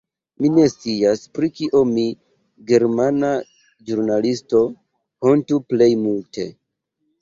Mi ne scias, pri kio mi, germana ĵurnalisto, hontu plej multe.